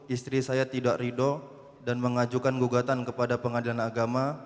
istri saya tidak rido dan mengajukan gugatan kepada pengadilan agama